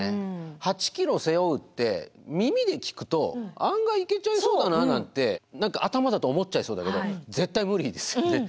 ８キロ背負うって耳で聞くと案外いけちゃいそうだななんて何か頭だと思っちゃいそうだけど絶対無理ですよね。